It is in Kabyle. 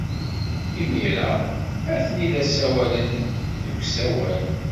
Imir-a, atni la ssawalen deg usawal.